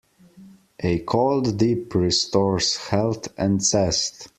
A cold dip restores health and zest.